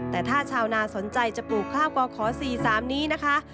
แต่ถ้าชาวนาสนใจจะปลูกข้าวก่อขอ๔๓นี้นะคะ